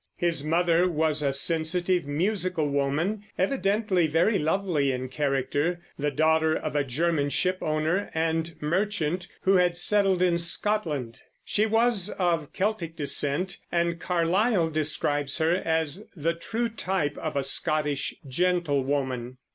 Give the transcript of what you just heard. His mother was a sensitive, musical woman, evidently very lovely in character, the daughter of a German shipowner and merchant who had settled in Scotland. She was of Celtic descent, and Carlyle describes her as the true type of a Scottish gentlewoman.